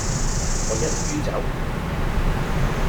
我一於走